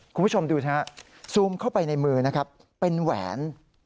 คุณผู้ชมดูสิฮะซูมเข้าไปในมือนะครับเป็นแหวน